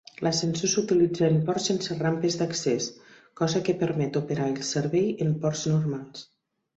L'ascensor s'utilitza en ports sense rampes d'accés, cosa que permet operar el servei en ports normals.